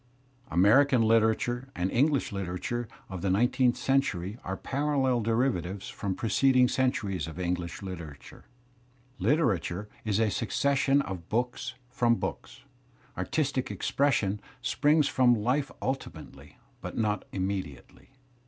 American literature and English Uterature of the nine teenth century are parallel derivatives from preceding cen turies of English Kteratiu^. Literatu re _is_^ _guggg§g^QQ books from bo oks. Artistic expression springs from life ultimately but not immediately.